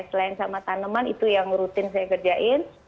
selain sama tanaman itu yang rutin saya kerjain